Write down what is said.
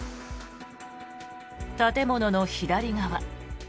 建物の左側